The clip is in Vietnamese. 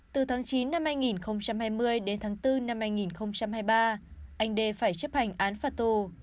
từ tháng chín năm hai nghìn hai mươi đến tháng bốn năm hai nghìn hai mươi ba anh đê phải chấp hành án phạt tù